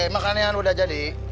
makanan udah jadi